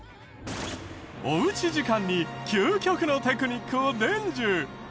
お家時間に究極のテクニックを伝授！